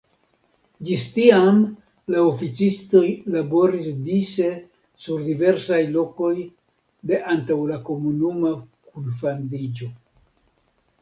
Ĝis tiam la oficistoj laboris dise sur diversaj lokoj de antaŭ la komunuma kunfandiĝo.